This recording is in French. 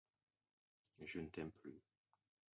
Je ne t’aime plus !